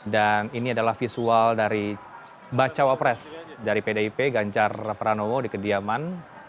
dan ini adalah visual dari bacawa press dari pdip ganjar ranowo di kediaman